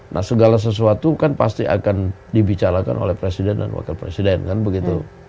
nah segala sesuatu kan pasti akan dibicarakan oleh presiden dan wakil presiden kan begitu